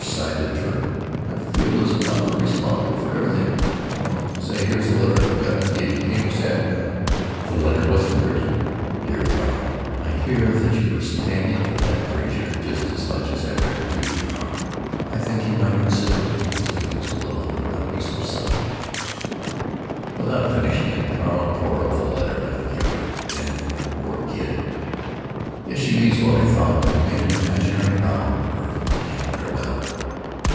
sighed the Turk. "I feel as if I was responsible for everything. Oh, say, here's a letter I forgot to give you. Came this afternoon." The letter was from Gertie. Dear Carl,—I hear that you are standing for that Frazer just as much as ever and really Carl I think you might consider other people's feelings a little and not be so selfish—— Without finishing it, Carl tore up the letter in a fury. Then, "Poor kid; guess she means well," he thought, and made an imaginary bow to her in farewell.